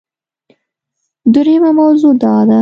دریمه موضوع دا ده